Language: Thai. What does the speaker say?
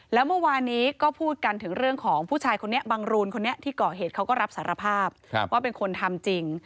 แล้วเมื่อวานนี้ก็พูดกันถึงเรื่องของผู้ชายคนนี้บังรูนคนนี้ที่ก่อเหตุเขาก็รับสารภาพว่าเป็นคนทำจริง